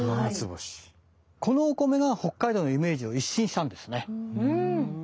このお米が北海道のイメージを一新したんですね。